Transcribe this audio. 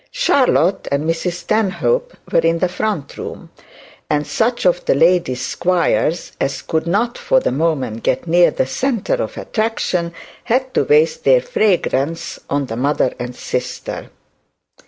Charlotte and Mrs Stanhope were in the front room, and such of the lady's squires as could not for the moment get near the centre of attraction had to waste their fragrance on the mother and sister.